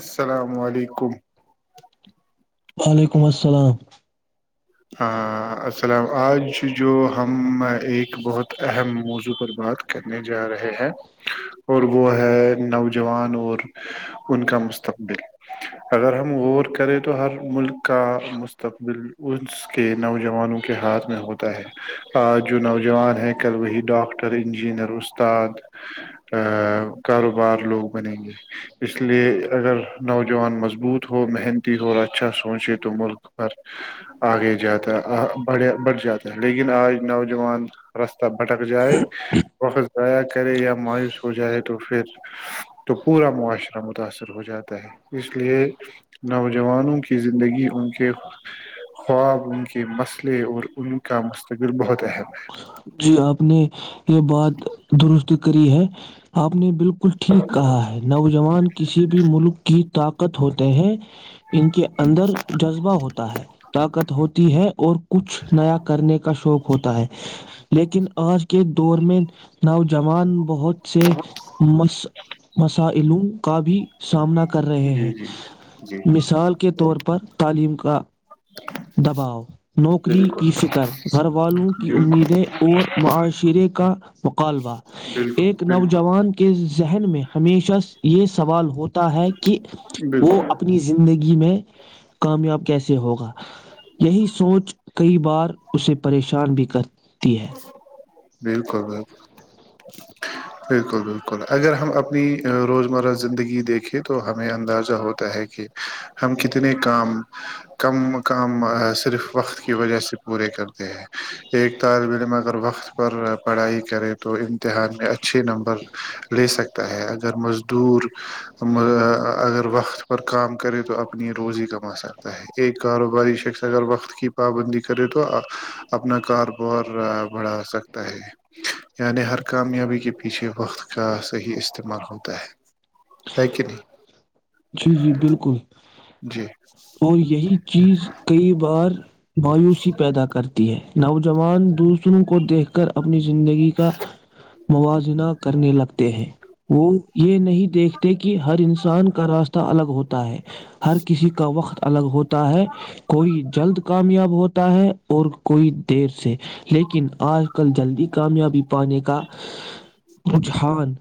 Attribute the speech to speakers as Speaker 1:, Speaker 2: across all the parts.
Speaker 1: السلام علیکم
Speaker 2: و ععلیکم السلام
Speaker 1: ہ السلام آج جو ہم ایک بہت اہم موضوع پر بات کرنے جا رہے ہیں اور وہ ہے نوجوان اور ان کا مستقبل اگر ہم غور کریں تو ہر ملک کا مستقبل اس کے نوجوانوں کے ہاتھ میں ہوتا ہے آج جو نوجوان ہیں کل وہی ڈاکٹر انجینئر استاد کاروبار لوگ بنیں گے اس لیے اگر نوجوان مضبوط ہو محنتی ہو اور اچھا سوچے تو ملک پر آگے جاتا بڑھ بڑھ جاتا ہے لیکن آج نوجوان راستہ بھٹک جائے وقت ضائع کرے یا مایوس ہو جائے تو پھر تو پورا معاشرہ متاثر ہو جاتا ہے اس لیے نوجوانوں کی زندگی ان کے خواب ان کے مسئلے اور ان کا مستقل بہت اہم ہے
Speaker 2: جی آپ نے یہ بہات درست کری ہے آپ نے بالکل ٹھیک کہا ہے نوجوان کسی بھی ملک کی کت ہوتے ہیں ان کے اندر جذبہ ہوتا ہے طاقت ہوتی ہے اور کچھ نیا کرنے کا شوق ہوتا ہے لیکن آج کے دور میں نوجوان بہت سے مسائلوں کا بھی سامنا کر کر
Speaker 1: ہے
Speaker 2: رہے
Speaker 1: جی
Speaker 2: ہیں
Speaker 1: جی جی
Speaker 2: مثال کے طور پر تعلیم کو دباؤ نوکری
Speaker 1: بالکل
Speaker 2: کی فکر گھر والوں کی
Speaker 1: بالکل
Speaker 2: امیدیں اور معاشرے کا مقالبہ
Speaker 1: بالکل
Speaker 2: ایک
Speaker 1: بالکل
Speaker 2: نوجوان کے ز ذہن میں ہمیشہ یہ سوال ہوتا ہے کہ وہ
Speaker 1: بالکل
Speaker 2: اپنی زندگی میں کامیاب کیسے ہوگا یہی سوچ کئی بار اسے پریشان بھی کر [unintelligible]
Speaker 1: بالکل بالکل بالکل بالکل اگر ہم اپنی روزمرہ زندگی دیکھیں تو ہمیں اندازہ ہوتا ہے کہ ہم کتنے کام کم کام صرف وقت کی وجہ سے پورے کر ایک طالب علم اگر وقت پر پڑھائی کرے تو امتحان میں اچھے نمبر لے سکتا ہے اگر مزدور اگر وقت پر کام کرے تو اپنی روزی کما سکتا ہے ایک کاروباری شخص اگر وقت کی پابندی کرے تو اپنا کاروبار بڑھا سکتا ہے یعنی ہر کامیابی کے پیچھے وقت کا صحیح استعمال ہوتا ہے ہے کہ نہیں
Speaker 2: جی جی بالکل
Speaker 1: جی
Speaker 2: اور یہی چیز کئی بار مایوسی پیدا کرتی ہے نوجوان دوسروں کو دیکھ کر اپ اپنی زندگی کا موازنہ کرنے لگتے ہیں وہ یہ نہیں دیکھ کہ ہر انسان کا راستہ الگ ہوتا ہوتا ہے ہر کسی کا وقت الگ ہوتا ہے کوئی جلد کامیاب ہوتا ہے اور کوئی دیر سے لیکن آج کل جلدی کامیابی پانے کا رجحان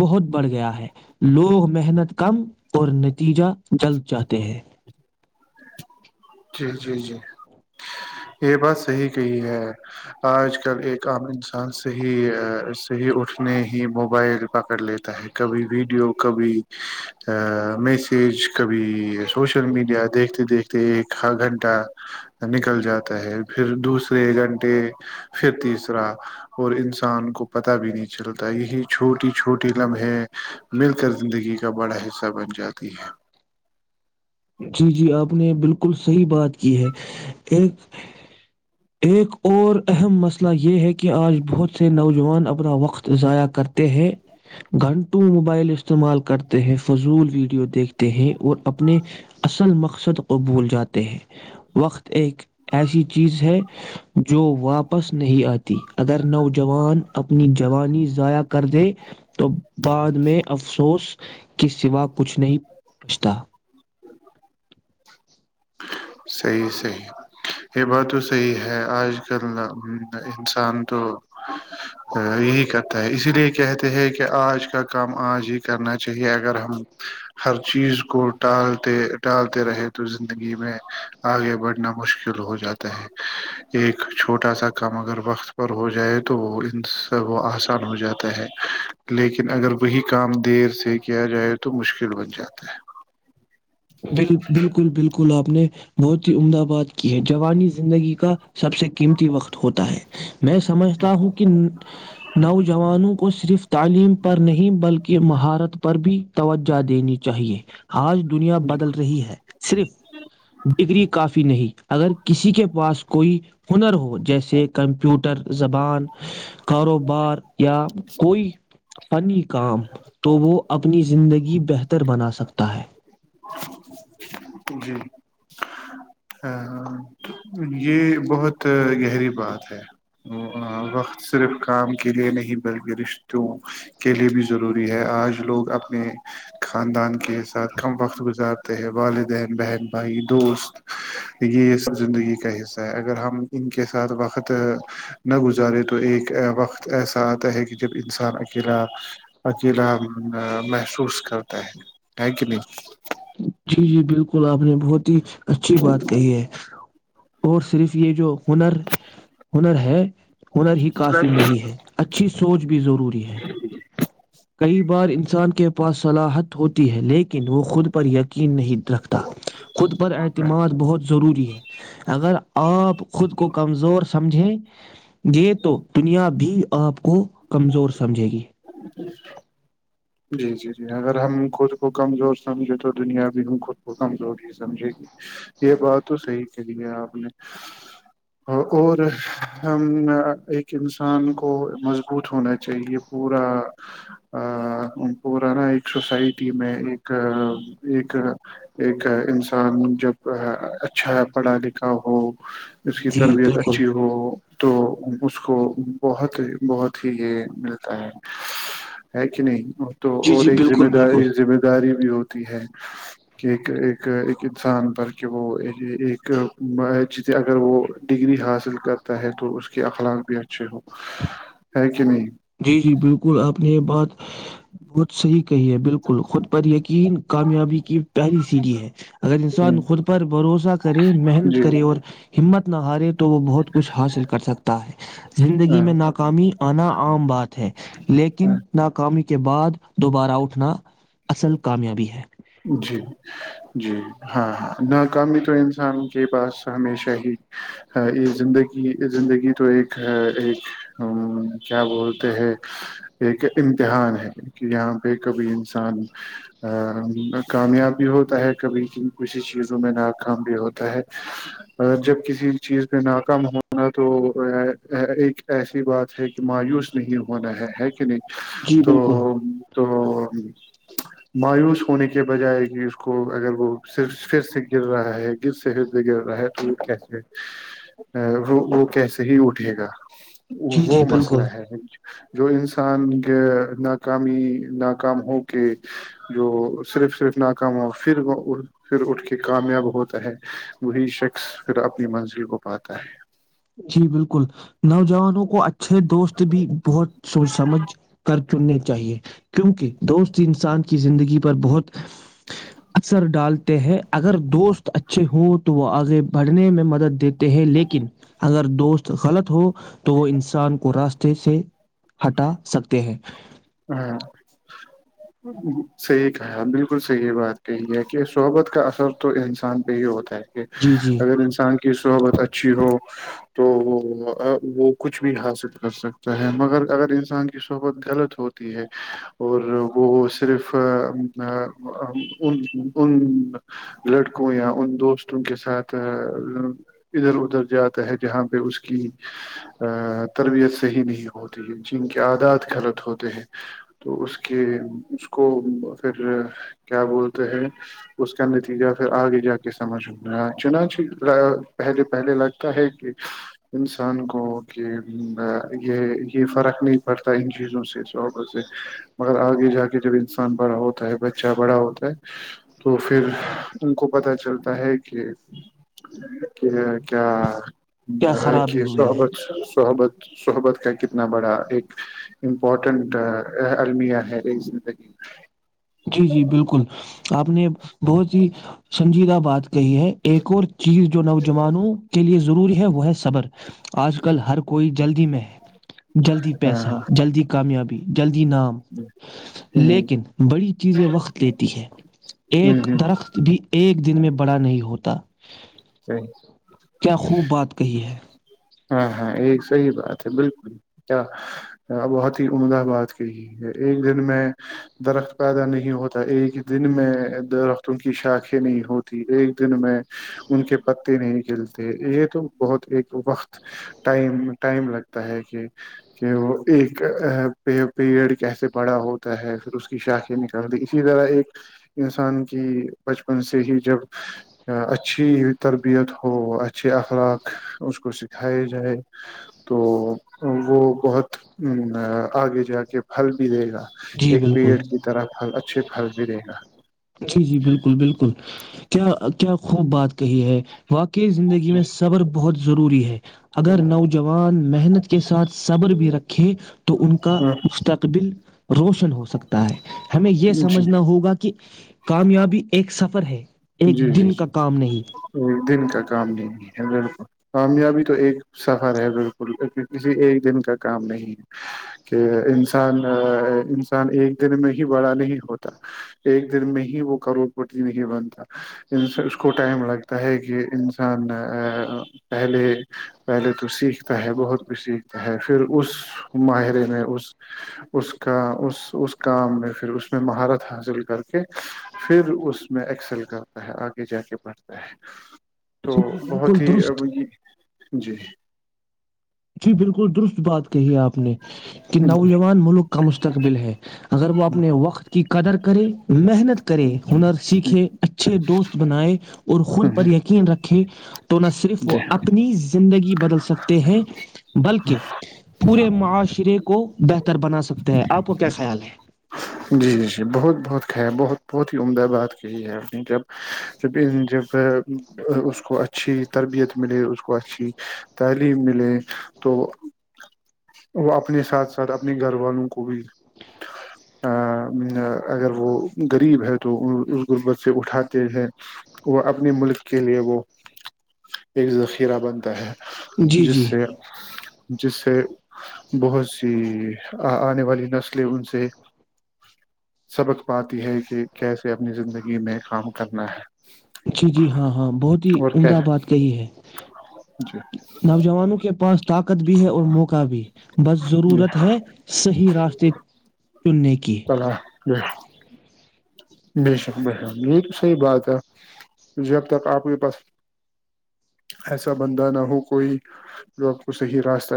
Speaker 2: بہت بڑھ گیا ہے لوگ محنت کم اور نتیجہ جلد چاہتے ہیں
Speaker 1: جی جی جی یہ بات صحیح کہی ہے آج کل ایک عام انسان صحیح صحیح اٹھنے ہی موبائل پکڑ لیتا ہے کبھی ویڈیو کبھی میسج کبھی سوشل میڈیا دیکھتے دیکھتے ایک گھنٹہ نکل جاتا تا ہے پھر دوسرے گھنٹے پھر تیسرا اور انسان کو پتہ بھی نہیں چلتا یہی چھوٹی چھوٹی لمحے مل کر زندگی کا بڑا حصہ بن جاتی ہے
Speaker 2: جی جی آپ نے بالکل صحیح بات کی ہے ایک ایک اور اہم مسئلہ یہ ہے کہ آج بہت سے نوجوان اپنا وقت ضائع کرتے ہیں گھنٹوں موبائل استعمال کرتے ہیں فضول ویڈیو دیکھتے ہیں اور اپنے اصل مقصد کو بھول جاتے ہیں وقت ایک ایسی چیز ہے جو واپس نہیں آتے اگر نوجوان اپنی جوانی ضائع کر دے تو بعد میں افسوس کے سوا کچھ نہیں پوچتا
Speaker 1: صحیح صحیح یہ بات تو صحیح ہے آج کل انسان تو یہی کرتا ہے اسی لیے کہتے ہے کہ آج کا کام آج ہی کرنا چاہیے اگر ہم ہر چیز کو التے ڈالتے رہے تو زندگی میں آگے بڑھنا مشکل ہو جاتا ہے ایک چھوٹا سا کام اگر وقت پر ہو جائے تو وہ ان سب وہ آسان ہو جاتا ہے لیکن اگر وہی کام دیر سے کیا جائے تو مشکل بن جاتا ہے
Speaker 2: بال بالکل بالکل آپ نے بہت ہی عمدہ بات کی ہے جوانی زندگی کا سب سے قیمتی وقت ہوتا ہے میں سمجھتا ہوں کہ نوجوانوں کو صرف تعلیم پر نہیں بلکہ کی مہارت پر بھی توجہ دینی چاہیے آج دنیا بد رہی ہے صرف ڈگری کافی نہیں اگر کسی کے پاس کوئی ہنر ہو جیسے کمپیوٹر زبان کاروبار یا کوئی پنی کام تو وہ اپنی زندگی بہتر بنا سکتا ہے [inaudible]
Speaker 1: جی ہاں ہاں یہ بہت گہری بات ہے وقت صرف کام کے لیے نہیں بلکہ رشتوں کے لیے بھی ضروری ہے آج لوگ اپنے خاندان کے ساتھ کم وقت گزارتے ہیں والدین بہن بھائی دوست یہ سب زندگی کا حصہ ہے اگر ہم ان کے ساتھ وقت نہ گزارے تو ایک وقت ایسا آتا ہے کہ جب انسان اکیلا اکیلا محسوس کرتا ہے ہے کہ نہیں
Speaker 2: جی جی بالکل آپ نے بہت ہی اچھی بات کہی ہے اور صرف یہ جو ہنر ہنر ہے ہنر ہی کافی نہیں ہے اچھی سوچ بھی ضروری ہے کئی بار انسان کے پاس صلاحت ہوتی ہے لیکن وہ خود پر ییک یقین نہیں رکھتا خود پر اعتماد بہت ضروری ہے اگر اپ خود کو کمزور سمجھیں یہ تو دنیا بھی آپ کو کمزور سمجھے گی
Speaker 1: جی جی جی اگر ہم خود کو کمزور سمجھے تو دنیا بھی ہ خود کو کمزور ہی سمجھے گی یہ بات تو صحیح کہ لی ہے آپ نے اور ہم ایک انسان کو مضبوط ہونا چاہیے پورا پور نا ایک سوسائٹی میں ایک ایک ایک انسان جب اچھا پڑھا لکھا ہو اس کی
Speaker 2: جی
Speaker 1: تربیت
Speaker 2: بالکل
Speaker 1: اچھی ہو تو اس کو بہت بہت ہی یہ مل ہے کہ نہیں تو
Speaker 2: جی
Speaker 1: اور
Speaker 2: جی
Speaker 1: ایک ذمہ
Speaker 2: بالکل بالکل
Speaker 1: داری ذمہ داری بھی ہو کہ انسان پر کے وہ ایک ج اگر وہ ڈگری حاصل کرتا ہے تو اس کے اخلاق بھی اچھے ہو ہے کہ نہیں
Speaker 2: جی جی بالکل آپ نے یہ بات بہت صحیح کہی ہے بالکل خود پر یہ کہ چین کامیابی کی پہلی سیڑھی ہے اگر
Speaker 1: ہ
Speaker 2: انسان خود پر بھروسہ کرے محنت
Speaker 1: جی
Speaker 2: کرے اور ہممت نہ ہارے وہ بہت کچھ حاصل کر سکتا ہے زندگی
Speaker 1: ہاں
Speaker 2: میں ناکامی آنا بات ہے لیکن
Speaker 1: ہاں
Speaker 2: ناکام کے بعد دوبارہ اٹھنا اصل کامیابی ہے
Speaker 1: جی جی ہاں ہاں ناکامی تو انسان کے پاس ہمیشہ ہی یہ زندگی زندگی تو ایک ایک کیا بولتے ہے ایک امتحان ہے کہ یہاں پہ کبھی انسان کامیاب بھی ہوتا ہے کبھی کسی چیزوں میں ناکام بھی ہوتا ہے اور جب کسی چیز پہ ناکام ہونا تو ایک ایسی بات ہے کہ مایوس نہیں ہونا ہے ہے نہیں
Speaker 2: جی
Speaker 1: تو
Speaker 2: بالکل
Speaker 1: تو مایوس ہونے کے کے بجائے کہ اس کو اگر وہ پھر سے گر رہا ہے گر سے پھر سے گر رہا ہے تو یہ کیسے وہ وہ کیسے ہی اٹھے گا
Speaker 2: جی
Speaker 1: وہ
Speaker 2: جی
Speaker 1: مسئلہ
Speaker 2: بالکل
Speaker 1: ہے جو انسان ناکامی ناکام ہو کے جو صرف صرف ناکام ہو پھر وہ پھر اٹھ کے کامیاب ہوتا ہے وہی شخص پھر اپنی منزل کو پاتا ہے
Speaker 2: جی بالکل نوجوانوں کو اچھا چھ دوست بھی بہت سوچ سمجھ کر چننے چاہیے کیونکہ دوست انسان کی زندگی پر بہت اثر ڈالتے ہیں اگر دوست اچھے ہوں تو وہ آگے بڑھنے میں مدد دی ہیں لیکن اگر دوست غلط ہو تو وہ انسان کو راسہ جیسے [inaudible] ہٹا سکتے ہیں
Speaker 1: ہاں صحیح کہا بالکل صحیح بات کہی ہے کہ صحبت کا اثر تو انسان پہ ہی ہوتا ہے
Speaker 2: جی جی
Speaker 1: اگر انسان کے کی صحبت اچھی ہو تو وہ وہ کچھ بھی حاصل کر سکتا ہے مگر اگر انسان کی صحبت غلط ہو اور وہ صرف ان ان لڑکوں یا ان دوستوں کے ساتھ ادھر ادھر جاتا ہے جہاں پہ اس کی تربیت صحیح نہیں ہوتی ہے جن کے عادات غلط ہوتے ہیں تو اس کے اس کو پھر کیا بولتے ہیں اس کا نتیجہ پھر آگے جا کے سمجھ ل گا چنانچی پہلے پہلے لگتا ہے کہ انسان کو کہ یہ یہ فرق نہیں پڑتا ان چیزوں سے شوں سے مگر آگے جا کے جب انسان بڑا ہوتا ہے بچہ بڑا ہوتا ہے تو پھر ان کو پتا چلتا ہے کہ کیا
Speaker 2: خرابی
Speaker 1: کیا
Speaker 2: ہوئی ہے
Speaker 1: سحبت سحبت سحبت کا کتنا بڑا ایک امپورٹ المیہ ہے رہی زندگی میں
Speaker 2: جی جی بالکل آپ نے بہت ہی سنجیدہ بات کہی ہے ایک اور چیز جو نوجوانوں کے لیے ضروری ہے وہ ہے صبر آج کل ہر کوئی جلدی میں ہے جلدی
Speaker 1: ہاں
Speaker 2: پیسہ جلدی کامیابی جلدی نام
Speaker 1: ہاں ہ
Speaker 2: لیکن بڑی سے وقت لیتی ہے ایک
Speaker 1: ہ ہ
Speaker 2: درخت بھی ایک ایک دن میں بڑا نہیں ہوتا
Speaker 1: صحیح
Speaker 2: کیا خوب بات کہی ہے
Speaker 1: ہاں ہاں یہ صحیح بات ہے بالکل کیا بہت ہی عمدہ بات کہی ہے ایک دن میں درخت پیدا نہیں ہوتا ایک دن میں درخت ان کی شاخیں نہیں ہوتی ایک دن میں ان کے پتے نہیں کھلتے یہ تو بہت ایک وقت ٹائم ٹائم لگتا ہے کہ کہ وہ ایک پیڑ کیسے بڑا ہوتا ہے پھر اس کی شاخیں نکالتی اسی طرح ایک انسان کی بچپن سے ہی جب اچھی تربیت ہو اچھے اخلاق اس کو سکھائے جائے تو وہ بہت آگے جا کے پھل بھی دے گا
Speaker 2: جی
Speaker 1: ایک
Speaker 2: بالکل
Speaker 1: پیڑ کی طرف اچا اچھے پھل بھی رہے گا
Speaker 2: جی جی بالکل بالکل کیا کیا خوب بات کہی ہے واقع کی زندگی
Speaker 1: جی
Speaker 2: میں صبر بہت ضروری ہے اگر نوجوان محنت کے ساتھ صبر بھی رکھیں تو ان کا
Speaker 1: ہاں
Speaker 2: مستقبل روشن ہو سکتا ہے ہمیں یہ
Speaker 1: جی
Speaker 2: سمجھنا ہوگا کہ کامیابی ایک سفر ہے ایک
Speaker 1: جی جی
Speaker 2: دن
Speaker 1: جی
Speaker 2: کا کام نہیں
Speaker 1: دن کا کام نہیں ہے ل کامیابی تو ایک سفر ہے بالکل کسی ایک دن کا کام نہیں ہے کہ انسان انسان ایک دن میں ہی بڑا نہیں ہوتا ایک دن میں ہی وہ کروڑپتی نہیں بنتا اس کو ٹائم لگتا ہے کہ انسان پہلے پہلے تو سیکھتا ہے بہت کچھ سیکھتا ہے پھر اس ماہرے میں اس اس کا اس اس کام میں پھر اس میں مہارت حاصل کر کے پھر اس میں ایکسل کر تا آگے جا کے بڑھتا ہے تو
Speaker 2: جی جی
Speaker 1: بہت
Speaker 2: بالکل
Speaker 1: ہی اب
Speaker 2: درست
Speaker 1: یہ جی
Speaker 2: جی بالکل درست بات کہی ہے آپ نے کہ نوجوان ملک کا مستقبل ہے اگر وہ اپنے وقت کی قدر کرے محنت کرے ہنر سیکھے اچھے دوست بنائے اور خود پر یقین رکھ ہیں تو نہ صرف وہ
Speaker 1: جی
Speaker 2: اپنی زندگی بدل سکتے ہیں بلکہ پورے معاشرے کو بہتر بنا سکتے ہیں آپ کو کیا خیال ہے
Speaker 1: جی جی جی بہت بہت خ بہت بہت ہی عمدہ بات کہی ہے نے جب جب جب اس کو اچھی تربیت ملے اس کو اچھی تعلیم ملے تو وہ اپنے ساتھ ساتھ اپنے گھر والوں کو بھی
Speaker 2: ج [inaudible]
Speaker 1: ا اگر وہ غریب ہے تو اس غربت سے اٹھاتے ہیں وہ اپنے ملک کے لیے وہ ایک ذخیرہ بنتا ہے
Speaker 2: جی
Speaker 1: جس
Speaker 2: جی
Speaker 1: سے جس سے بہت سی آنے والی نسلیں ان سے سے سبق پاتی ہے کہ کیسے اپنی زندگی میں کام کرنا ہے
Speaker 2: جی جی ہاں ہاں بہت ہی
Speaker 1: اور
Speaker 2: عمدہ
Speaker 1: کیسے
Speaker 2: بات کہی ہے
Speaker 1: جی
Speaker 2: نوجوانوں کے پاس طاقت بھی ہے اور موقع بھی بس
Speaker 1: جی
Speaker 2: ضرورت ہے صحیح راستے چننے کی
Speaker 1: چل ہ ب شک ب ش یہ تو صحیح بات ہے جب تک آپ کے پاس ایسا بندہ نہ ہو کوئی جو آپ کو صحیح راستہ